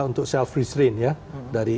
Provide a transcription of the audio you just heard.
untuk self restraint ya dari